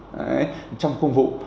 đấy trong công vụ